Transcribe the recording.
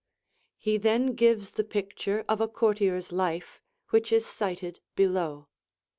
He then gives the picture of a courtier's life, which is cited below.